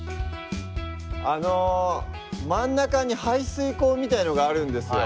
あの真ん中に排水溝みたいのがあるんですよ。